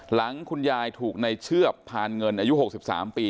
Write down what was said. หลังคุณยายถูกในเชือกพานเงินอายุ๖๓ปี